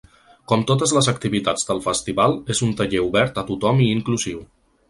Com totes les activitats del festival, és un taller obert a tothom i inclusiu.